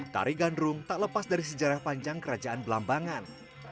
tari gandrung tak lepas dari sejarah panjang kerajaan belambangan